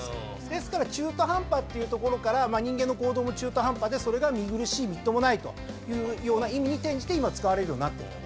ですから中途半端っていうところから人間の行動も中途半端でそれが見苦しいみっともないという意味に転じて今使われるようになってると。